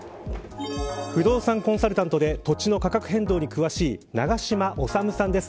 不動産コンサルタントで土地の価格変動に詳しい長嶋修さんです。